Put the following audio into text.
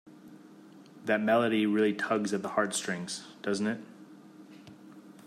That melody really tugs at the heartstrings, doesn't it?